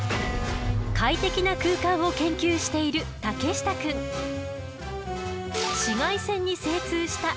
快適な空間を研究している竹下くん。え？